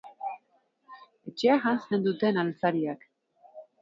Etxea janzten duten altzariak.